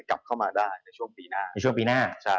กลับเข้ามาได้ในช่วงปีหน้า